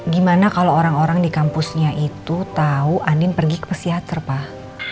gimana kalau orang orang di kampusnya itu tahu andin pergi ke psiator pak